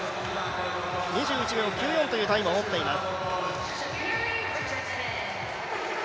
２１秒９４というタイムを持っています。